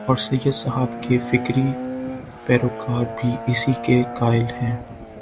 اورسید صاحب کے فکری پیرو کار بھی اسی کے قائل ہیں۔